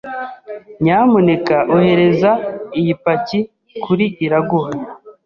Nyamuneka ohereza iyi paki kuri Iraguha.